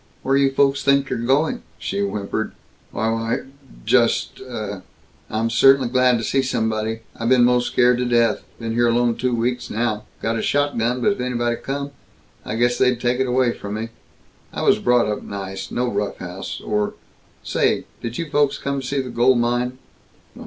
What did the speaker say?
"Where you folks think you're going?" she whimpered. "Why, why just " "I cer'nly am glad to see somebody! I been 'most scared to death. Been here alone two weeks now. Got a shotgun, but if anybody come, I guess they'd take it away from me. I was brought up nice, no rough house or Say, did you folks come to see the gold mine?"